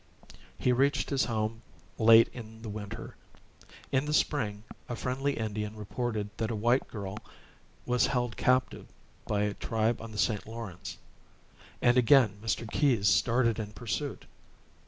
He reached his home late in the winter. In the spring a friendly Indian reported that a white girl was held captive by a tribe on the St. Lawrence; and again Mr. Keyes started in pursuit.